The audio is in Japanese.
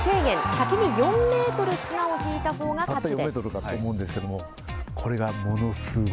先に４メートル綱を引いたほうが勝ちです。